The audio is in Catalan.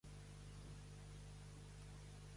De quina divinitat, sobretot?